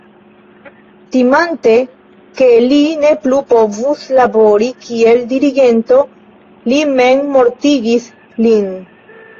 Timante ke li ne plu povus labori kiel dirigento li memmortigis lin.